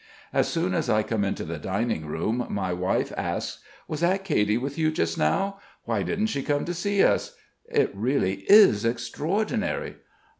As soon as I come into the dining room, my wife asks: "Was that Katy with you just now? Why didn't she come to see us. It really is extraordinary...."